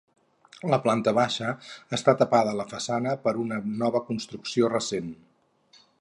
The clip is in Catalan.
La planta baixa està tapada la façana per una nova construcció recent.